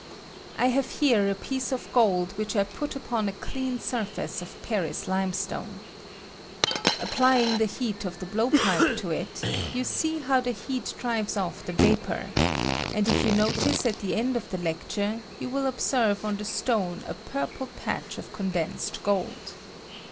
I have here a piece of gold which I put upon a clean surface of Paris limestone. Applying the heat of the blowpipe to it, you see how the heat drives off the vapor ; and if you notice at the end of the lecture, you will observe on the stone a purple patch of J VAPORS OF LEAD AKD GOLD. 215 condensed gold.